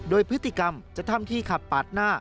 โดยพฤติกรรมจะทำที่ขับปาดหน้า